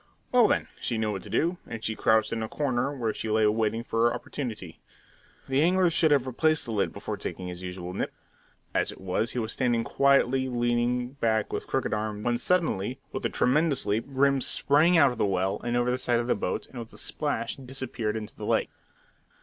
Well then, she knew what to do, and she crouched in a corner, where she lay awaiting her opportunity. The angler should have replaced the lid before taking his usual nip. As it was, he was standing quietly leaning back with crooked arm, when suddenly, with a tremendous leap, Grim sprang out of the well and over the side of the boat, and with a splash disappeared into the lake.